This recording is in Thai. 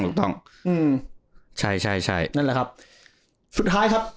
ถูกต้องอืมใช่ใช่ใช่นั่นแหละครับสุดท้ายครับ